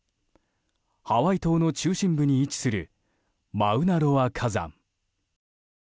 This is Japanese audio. ハワイ島の中心部に位置するマウナロア火山。